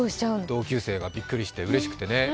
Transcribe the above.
同級生が感動して、うれしくてね。